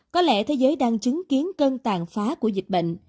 có lẽ thế giới đang chứng kiến cơn tàn phá của dịch bệnh